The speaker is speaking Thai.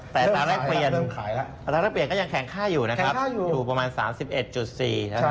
แต่ตอนแรกเปลี่ยนก็ยังแข่งค่าอยู่นะครับอยู่ประมาณ๓๑๔บาทแล้วตอนนี้